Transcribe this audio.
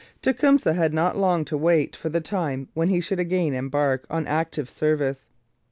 Tecumseh had not long to wait for the time when he should again embark on active service.